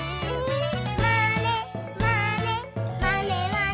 「まねまねまねまね」